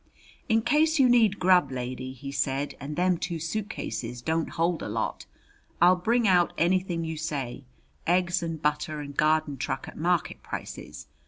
"In case you need grub, lady," he said," and them two suitcases don't hold a lot, I'll bring out anything you say: eggs and butter and garden truck at market prices.